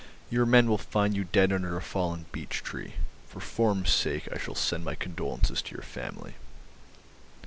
Your men will find you dead under a fallen beech tree. For form's sake I shall send my condolences to your family."